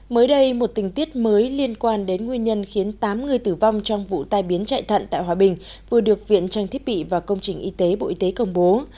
mới đây một tình tiết mới liên quan đến nguyên nhân khiến tám người tử vong trong vụ tai biến chạy thận tại hòa bình vừa được viện trang thiết bị và công trình y tế bộ y tế công bố